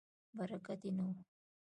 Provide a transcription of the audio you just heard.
برکت یې نه و.